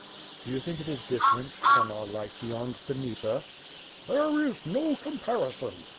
"Do you think it is different from our life beyond the Dnieper?" "There is no comparison."